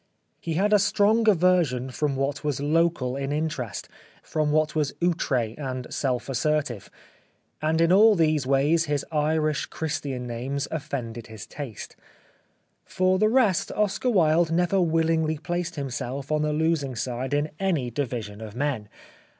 He had a strong aversion from what was local in interest, from what was outre and self assertive ; and in all these ways his Irish Christian names offended his taste. For the rest Oscar Wilde never willingly placed himself on the losing side in any division of men.